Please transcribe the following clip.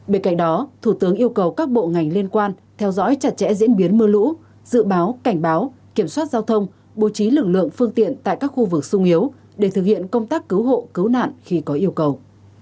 bên cạnh đó thủ tướng yêu cầu các bộ ngành liên quan theo dõi chặt chẽ diễn biến mưa lũ dự báo cảnh báo kiểm soát giao thông bố trí lực lượng phương tiện tại các khu vực sung yếu để thực hiện công tác cứu hộ cứu nạn khi có yêu cầu